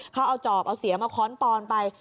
เขาเอาจอบเอาเสียมาค้อนปอนไป